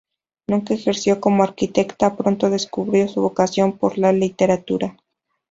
Nunca ejerció como arquitecta, pronto descubrió su vocación por la literatura.